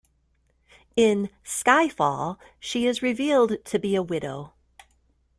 In "Skyfall" she is revealed to be a widow.